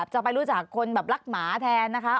จะไปรู้จักคนแบบรักหมาแทนนะคะ